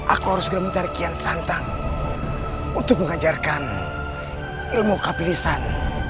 aku harus gemetar kian santang untuk mengajarkan ilmu kapilisan